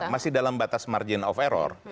masih dalam batas margin of error